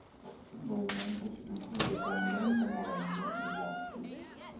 Il movimento si conclude con un lento "morendo" degli archi.